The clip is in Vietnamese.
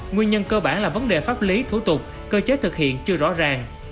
nguyên nhân cơ bản là vấn đề pháp lý thủ tục cơ chế thực hiện chưa rõ ràng